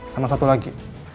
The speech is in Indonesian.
sama satu lagi